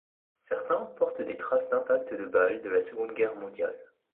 Certains portent des traces d'impacts de balles de la Seconde Guerre mondiale.